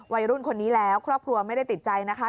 วัยรุ่นคนนี้แล้วครอบครัวไม่ได้ติดใจนะคะ